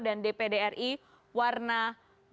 dan dpd ri warna merah